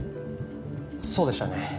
そうでしたね